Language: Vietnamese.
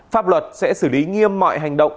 pháp luật sẽ xử lý nghiêm mọi hành động